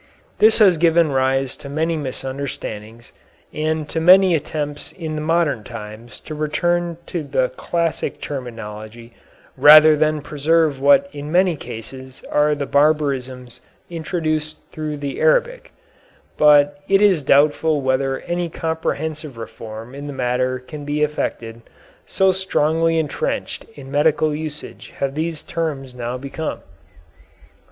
This has given rise to many misunderstandings, and to many attempts in the modern times to return to the classic terminology rather than preserve what in many cases are the barbarisms introduced through the Arabic, but it is doubtful whether any comprehensive reform in the matter can be effected, so strongly entrenched in medical usage have these terms now become.